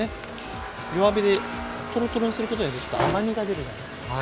弱火でトロトロにすることによってちょっと甘みが出るじゃないですか。